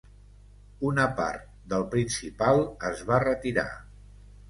Una part del principal es va retirar.